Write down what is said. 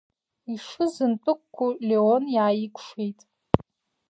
Ишызынтәыку Леон иааикәшеит.